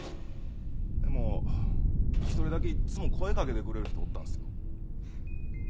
でも１人だけいっつも声かけてくれる人おったんですよ。